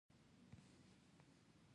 دا ډیره ښکلې او ابي ده.